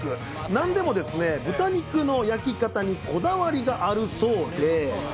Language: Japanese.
なんでもですね、豚肉の焼き方にこだわりがあるそうで。